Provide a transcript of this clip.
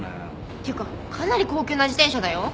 っていうかかなり高級な自転車だよ。